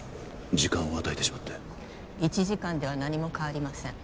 時間を与えてしまって１時間では何も変わりません